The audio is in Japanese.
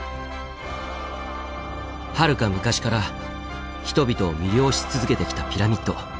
はるか昔から人々を魅了し続けてきたピラミッド。